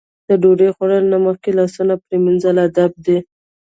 د ډوډۍ خوړلو نه مخکې لاسونه پرېمنځل ادب دی.